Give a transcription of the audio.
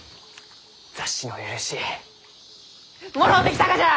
雑誌のお許しもろうてきたがじゃ！